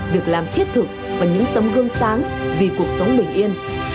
việc làm thiết thực và những tấm gương sáng vì cuộc sống bình yên